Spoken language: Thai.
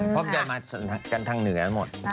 พบเดินมาทางเหนือแล้วหมด